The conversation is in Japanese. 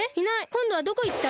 こんどはどこいった？